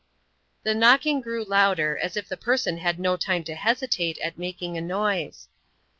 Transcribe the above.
The knocking grew louder, as if the person had no time to hesitate at making a noise.